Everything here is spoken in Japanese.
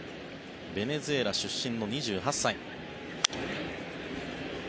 ベネズエラ出身の２８歳。